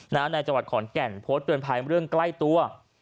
ในจังหวัดขอนแก่นโพสต์เตือนภัยเรื่องใกล้ตัว